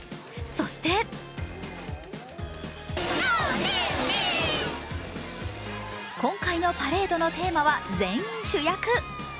そして今回のパレードのテーマは「全員主役」。